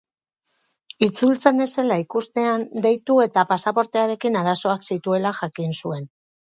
Itzultzen ez zela ikustean, deitu eta pasaportearekin arazoak zituela jakin zuen.